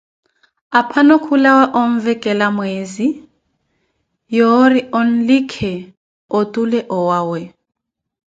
Aphano khulawa onvekela mweezi yoori anlikhe arutele owawe.